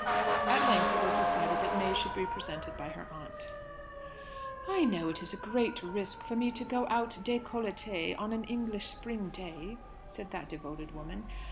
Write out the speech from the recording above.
At length it was decided that May should be presented by her aunt. "I know it is a great risk for me to go out décolletée on an English spring day," said that devoted woman.